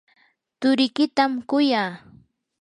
turikitam kuyaa.